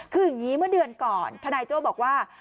คืออย่างนี้เมื่อเดือนก่อนทนายโจ้บอกว่า